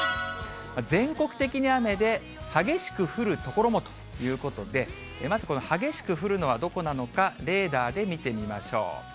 全国的に雨で、激しく降る所もということで、まずこの激しく降るのはどこなのか、レーダーで見てみましょう。